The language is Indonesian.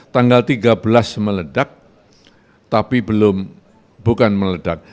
tanggal tiga belas meledak tapi belum bukan meledak